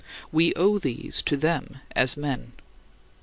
We owe these to them as men.